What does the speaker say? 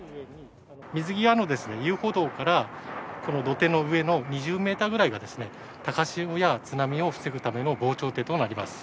水際の遊歩道から、土手の上の２０メーターぐらいが、高潮や津波を防ぐための防潮堤となります。